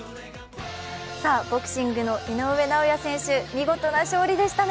ボクシングの井上尚弥選手、見事な勝利でしたね。